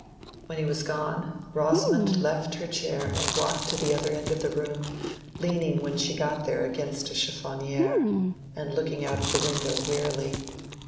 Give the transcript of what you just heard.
When he was gone, Rosamond left her chair and walked to the other end of the room, leaning when she got there against a chiffonniere, and looking out of the window wearily.